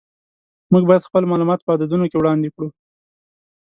موږ باید خپل معلومات په عددونو کې وړاندې کړو.